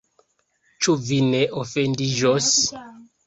Ĉu vi ne ofendiĝos?